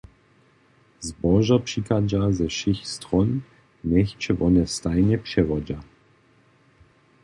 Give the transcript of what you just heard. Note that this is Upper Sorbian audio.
Zbožo přichadźa ze wšěch stron, njech će wone stajnje přewodźa.